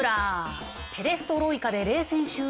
ペレストロイカで冷戦終了。